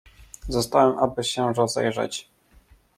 "Zostałem, aby się rozejrzeć."